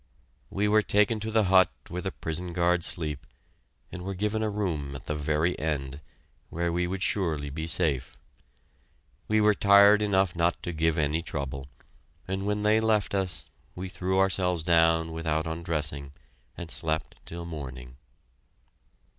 We were taken to the hut where the prison guards sleep, and were given a room at the very end, where we would surely be safe. We were tired enough not to give any trouble, and when they left us, we threw ourselves down without undressing and slept till morning.